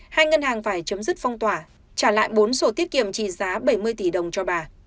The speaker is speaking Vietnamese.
hai ngân hàng phải chấm dứt phong tỏa trả lại bốn sổ tiết kiệm trị giá bảy mươi tỷ đồng cho bà